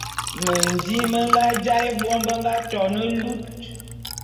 Mendim me nga jaé vôm be nga to ne lut.